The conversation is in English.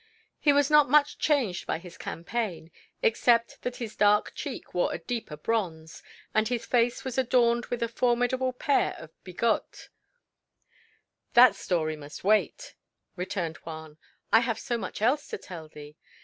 He was not much changed by his campaign, except that his dark cheek wore a deeper bronze, and his face was adorned with a formidable pair of bigotes. "That story must wait," returned Juan. "I have so much else to tell thee.